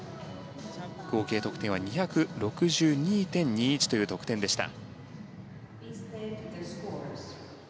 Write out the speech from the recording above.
合計得点は２６２．２１という得点でした。